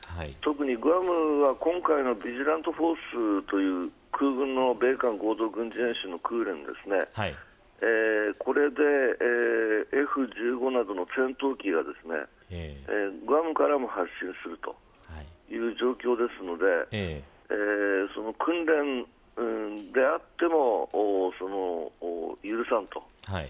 特に、グアムは今回のビジラントフォースという米韓合同軍事演習のところでＦ‐１５などの戦闘機がグアムからも発射するという状況ですので訓練であっても許さないと。